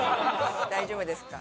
大丈夫ですか？